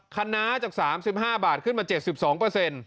คณะจาก๓๕บาทขึ้นมา๗๒เปอร์เซ็นต์